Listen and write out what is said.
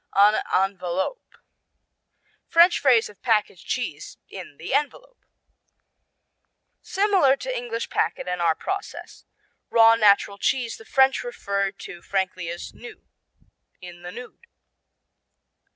"En enveloppe" French phrase of packaged cheese, "in the envelope." Similar to English packet and our process. Raw natural cheese the French refer to frankly as nu, "in the nude."